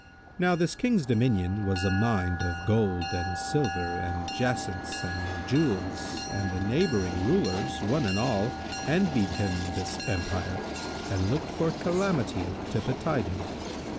[FN#166] Now this King's dominion was a mine of gold and silver and jacinths and jewels and the neighbouring rulers, one and all, envied him this empire and looked for calamity to betide him.